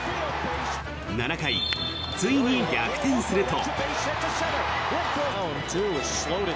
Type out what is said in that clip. ７回、ついに逆転すると。